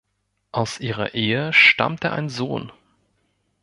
Aus ihrer Ehe stammte ein Sohn.